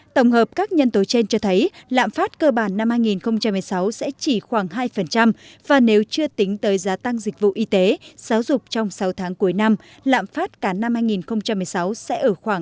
tổng hợp các nhân tố trên cho thấy lạm phát cơ bản năm hai nghìn một mươi sáu sẽ chỉ khoảng hai và nếu chưa tính tới giá tăng dịch vụ y tế giáo dục trong sáu tháng cuối năm lạm phát cả năm hai nghìn một mươi sáu sẽ ở khoảng